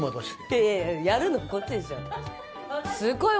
いやいややるのこっちでしょ。